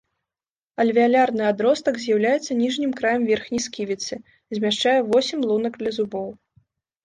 Альвеалярны адростак з'яўляецца ніжнім краем верхняй сківіцы, змяшчае восем лунак для зубоў.